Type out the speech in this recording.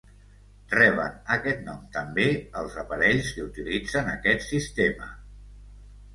Reben aquest nom també, els aparells que utilitzen aquest sistema.